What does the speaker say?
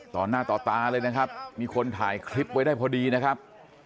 ต่อหน้าต่อตาเลยนะครับมีคนถ่ายคลิปไว้ได้พอดีนะครับ